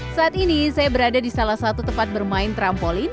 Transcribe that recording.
saat ini saya berada di salah satu tempat bermain trampolin